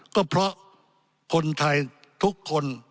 ก็เพราะคนไทยทุกคน